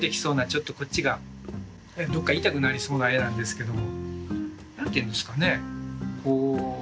ちょっとこっちがどっか痛くなりそうな絵なんですけども何て言うんですかねこう。